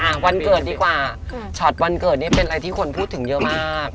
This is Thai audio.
วันเกิดดีกว่าช็อตวันเกิดนี่เป็นอะไรที่คนพูดถึงเยอะมาก